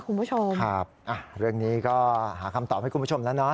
คุณผู้ชมครับเรื่องนี้ก็หาคำตอบให้คุณผู้ชมแล้วเนาะ